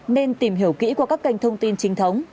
nên tìm hiểu kỹ qua các kênh thông tin chính thống